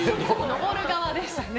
登る側でしたね。